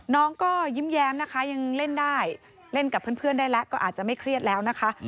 น้องก็ยิ้มแย้มนะคะยังเล่นได้เล่นกับเพื่อนได้แล้วก็อาจจะไม่เครียดแล้วนะคะ